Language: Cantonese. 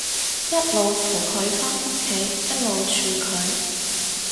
一路扶佢返屋企，一路串佢